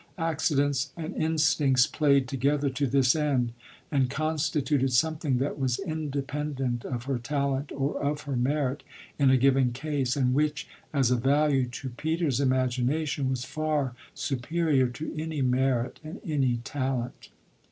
Accidents and instincts played together to this end and constituted something that was independent of her talent or of her merit in a given case, and which as a value to Peter's imagination was far superior to any merit and any talent.